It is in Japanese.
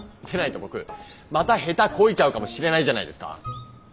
でないと僕また下手こいちゃうかもしれないじゃないですか！